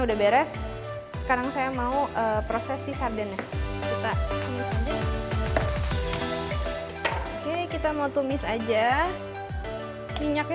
udah beres sekarang saya mau prosesi sardennya kita tunggu saja oke kita mau tumis aja minyaknya